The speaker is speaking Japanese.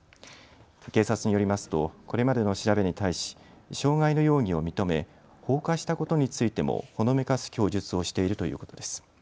警察によりますとこれまでの調べに対し、傷害の容疑を認め、放火したことについてもほのめかす供述をしているということです。